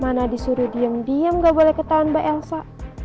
mana disuruh diem diem gak boleh ketahuan mbak elsa